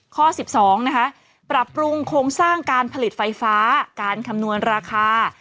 ข้อ๑๒นะคะปรับปรุงโครงสร้างการผลิตไฟฟ้าการคำนวณราคา